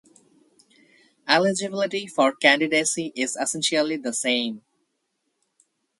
Eligibility for candidacy is essentially the same.